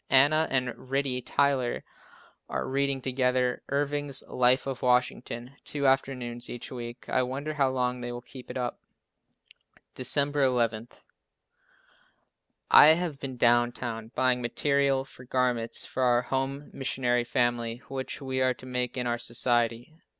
Anna and Ritie Tyler are reading together Irving's Life of Washington, two afternoons each week. I wonder how long they will keep it up. December 11. I have been down town buying material for garments for our Home Missionary family which we are to make in our society.